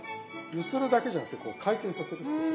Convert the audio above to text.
揺するだけじゃなくてこう回転させる少し。